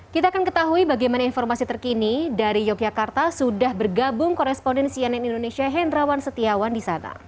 kita akan ketahui bagaimana informasi terkini dari yogyakarta sudah bergabung koresponden cnn indonesia hendrawan setiawan di sana